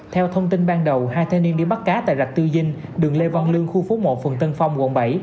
theo thông tin ban đầu hai thanh niên đi bắt cá tại rạch tư dinh đường lê văn lương khu phố một phường tân phong quận bảy